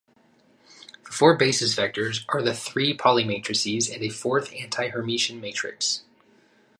The four basis vectors are the three Pauli matrices and a fourth antihermitian matrix.